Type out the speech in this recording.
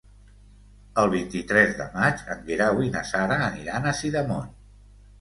El vint-i-tres de maig en Guerau i na Sara aniran a Sidamon.